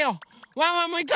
ワンワンもいく！